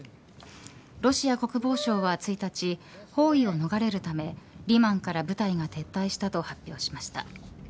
ロシア国防省は１日包囲を逃れるためリマンから部隊が撤退したと発表しました。